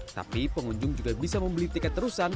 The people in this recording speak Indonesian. tapi pengunjung juga bisa membeli tiket terusan